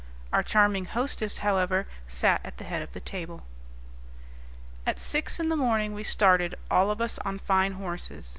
Our charming hostess, however, sat at the head of the table. At six in the morning we started, all of us on fine horses.